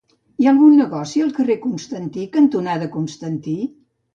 Hi ha algun negoci al carrer Constantí cantonada Constantí?